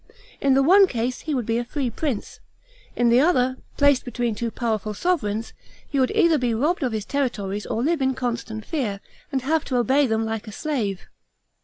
In the one case he would be a free prince, in the other, placed between two powerful sovereigns, he would either be robbed of his territories or live in constant fear, and have to obey them like a slave.